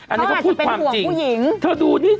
อันนี้เขาพูดความจริงเขาอาจจะเป็นห่วงผู้หญิง